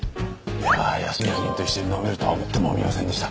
いやあ安洛主任と一緒に飲めるとは思ってもみませんでした。